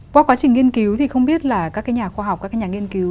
qua quá trình nghiên cứu thì không biết là các cái nhà khoa học các nhà nghiên cứu